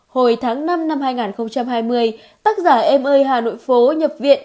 hồi tháng năm năm hai nghìn hai mươi tác giả em ơi hà nội phố nhập viện